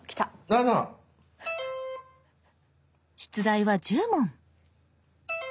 ７！出題は１０問。